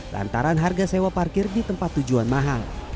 lantaran harga sewa parkir di tempat tujuan mahal